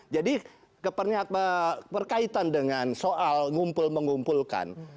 jadi perkaitan dengan soal mengumpul mengumpulkan